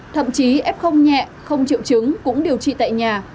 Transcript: thậm chí f nhẹ không triệu chứng cũng điều trị tại nhà